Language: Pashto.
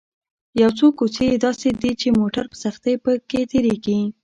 یو څو کوڅې یې داسې دي چې موټر په سختۍ په کې تېرېږي.